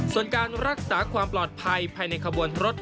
ส่วนการรักษาความปลอดภัยภายในขบวนรถ